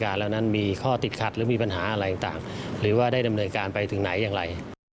เหล่านั้นมีข้อติดขัดหรือมีปัญหาอะไรต่างหรือว่าได้ดำเนินการไปถึงไหนอย่างไร